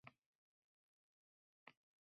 Ustu boshi shalabbo, yepy falak aralash